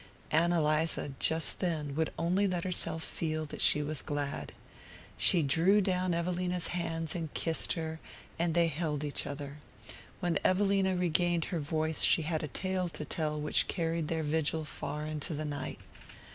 Ann Eliza, just then, would only let herself feel that she was glad. She drew down Evelina's hands and kissed her, and they held each other. When Evelina regained her voice she had a tale to tell which carried their vigil far into the night.